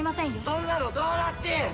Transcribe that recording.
そんなのどうだっていい！